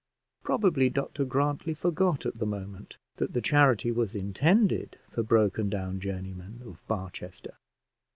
Probably Dr Grantly forgot, at the moment, that the charity was intended for broken down journeymen of Barchester.